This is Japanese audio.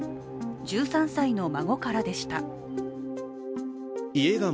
１３歳の孫からでした。